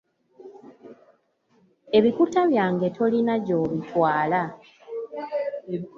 Ebikuta byange tolina gy'obitwala.